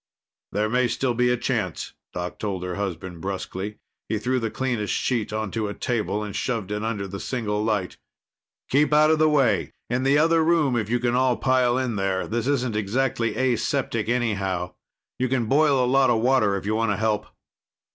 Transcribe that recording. "There may still be a chance," Doc told her husband brusquely. He threw the cleanest sheet onto a table and shoved it under the single light. "Keep out of the way in the other room, if you can all pile in there. This isn't exactly aseptic, anyhow. You can boil a lot of water, if you want to help."